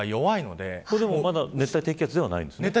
でも、まだ熱帯低気圧ではないんですね。